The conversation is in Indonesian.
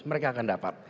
mereka akan dapat